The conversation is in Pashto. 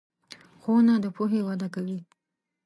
ښوونه د پوهې وده کوي.